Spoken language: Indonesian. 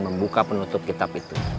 membuka penutup kitab itu